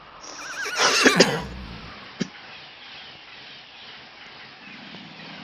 Zimbabwe کا دورہ Pakistan confirm Pakistan میں انٹرنیشنل کرکٹ کے دروازے کھلنے کی امید